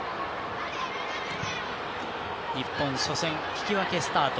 日本、初戦、引き分けスタート。